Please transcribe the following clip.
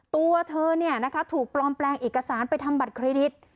ตัวเธอถูกปลอมแปลงเอกสารไปทำบัตรเครดิต